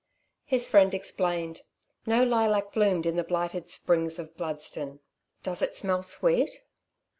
His friend explained. No lilac bloomed in the blighted Springs of Bludston. "Does it smell sweet?"